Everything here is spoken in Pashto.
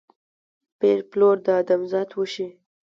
پېر پلور د ادم ذات وشي